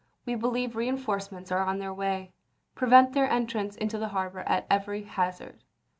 We believe reinforcements are on their way. Prevent their entrance into the harbor at every hazard."